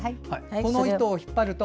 この糸を引っ張ると。